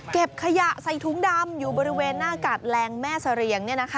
เก็บขยะใส่ถุงดำอยู่บริเวณหน้ากาดแรงแม่เสรียง